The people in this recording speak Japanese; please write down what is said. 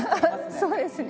そうですね。